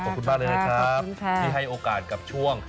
ขอบคุณมากเลยนะครับที่ให้โอกาสกับช่วง